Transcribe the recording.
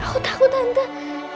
pak tata servantating friend